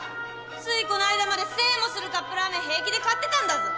ついこの間まで１０００円もするカップラーメン平気で買ってたんだぞ。